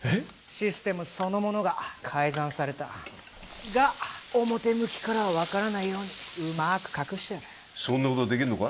システムそのものが改ざんされたが表向きからは分からないようにうまく隠してあるそんなことできんのか？